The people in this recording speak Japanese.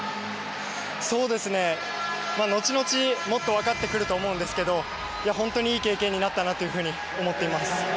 後々、もっと分かってくると思うんですけど本当にいい経験になったなというふうに思っています。